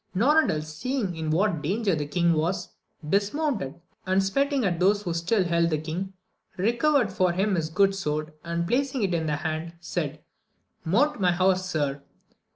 Norandel, seeing in what danger the king was, dismounted, and smiting at those who still held the king, recovered for him his good sword, and placing it in his hand, said. Mount my horse, sir